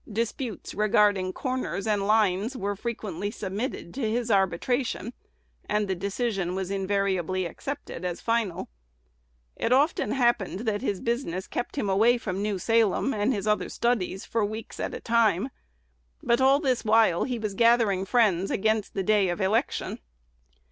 Disputes regarding "corners" and "lines" were frequently submitted to his arbitration; and the decision was invariably accepted as final. It often happened that his business kept him away from New Salem, and his other studies, for weeks at a time; but all this while he was gathering friends against the day of election.